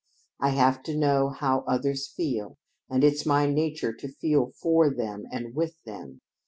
I have to know how others feel and it's my nature to feel for them and with them.